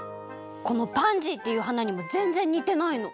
このパンジーっていうはなにもぜんぜんにてないの。